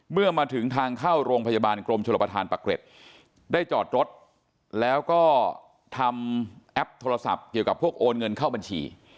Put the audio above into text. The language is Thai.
เมื่อมาถึงทางเข้าโรงพยาบาลกรมชลประธานปะเกร็ดได้จอดรถแล้วก็ทำแอปโทรศัพท์เกี่ยวกับพวกโอนเงินเข้าบัญชี